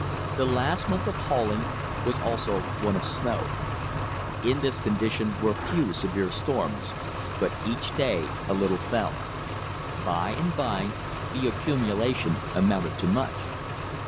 The last month of hauling was also one of snow. In this condition were few severe storms, but each day a little fell. By and by the accumulation amounted to much.